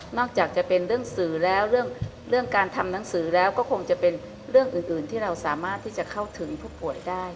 จากจะเป็นเรื่องสื่อแล้วเรื่องการทำหนังสือแล้วก็คงจะเป็นเรื่องอื่นที่เราสามารถที่จะเข้าถึงผู้ป่วยได้